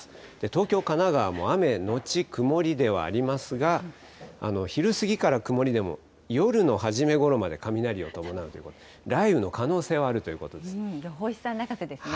東京、神奈川も雨後曇りではありますが、昼過ぎから曇りでも、夜の初めごろまで雷を伴うということ、雷雨の可能性はあるという予報士さん泣かせですね。